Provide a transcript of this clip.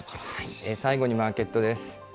最後にマーケットです。